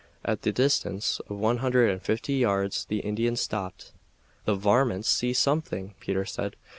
At the distance of one hundred and fifty yards the Indians stopped. "The varmints see something!" Peter said.